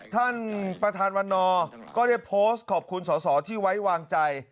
ท่านประธานวันนอร์ก็ได้โพสต์ขอบคุณสอสอที่ไว้วางใจ